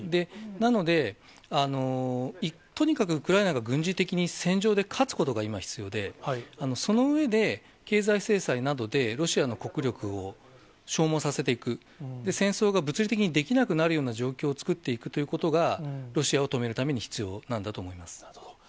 なので、とにかくウクライナが軍事的に戦場で勝つことが今、必要で、その上で経済制裁などで、ロシアの国力を消耗させていく、戦争が物理的にできなくなるような状況を作っていくということが、ロシアを止めるために必要なんだと思います。